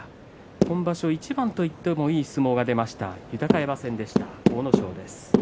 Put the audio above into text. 今場所一番といってもいい相撲が出ました、豊山戦でした阿武咲です。